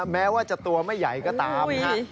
แม้ว่าจะตัวไม่ใหญ่ก็ตามนะฮะ